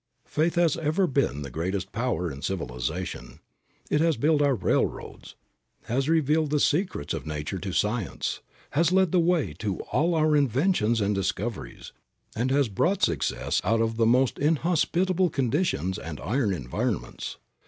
Faith has ever been the greatest power in civilization. It has built our railroads, has revealed the secrets of nature to science, has led the way to all our inventions and discoveries, and has brought success out of the most inhospitable conditions and iron environments.